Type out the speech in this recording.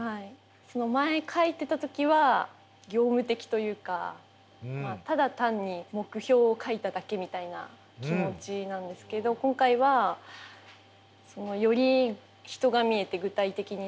その前書いてた時は業務的というかただ単に目標を書いただけみたいな気持ちなんですけど今回はより人が見えて具体的になって自分の気持ちが入った気がします。